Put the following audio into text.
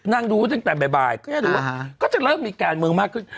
นั่งดูตั้งแต่บ่ายก็จะเริ่มมีการเมืองมากขึ้น